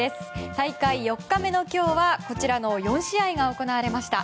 大会４日目の今日は４試合が行われました。